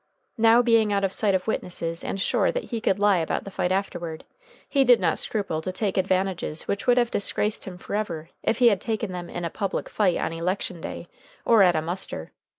Now, being out of sight of witnesses and sure that he could lie about the fight afterward, he did not scruple to take advantages which would have disgraced him forever if he had taken them in a public fight on election day or at a muster.